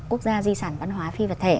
quốc gia di sản văn hóa phi vật thể